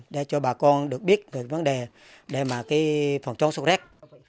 để cho bà con được biết về vấn đề để mà cái phòng chống xuất xét